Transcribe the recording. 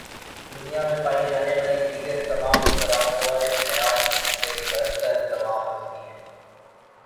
دنیا میں پائی جانے والی دیگر تمام تر انواع حیات سے برتر دماغ رکھتی ہے